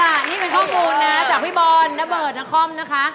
เอาล่ะนี่เป็นข้อมูลนะจากพี่บอร์นนับเบิร์ดนับคอมนะคะ